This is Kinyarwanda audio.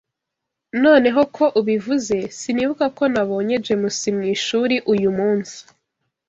Noneho ko ubivuze, sinibuka ko nabonye James mu ishuri uyu munsi.